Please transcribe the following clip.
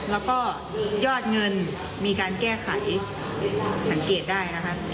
แล้วก็ยอดเงินมีการแก้ไขสังเกตได้นะคะ